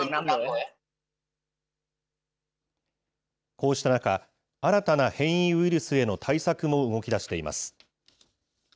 こうした中、新たな変異ウイルスへの対策も動きだしています。